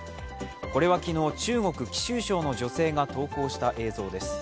これは昨日、中国・貴州省の女性が投稿した映像です。